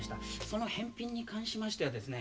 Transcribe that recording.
その返品に関しましてはですね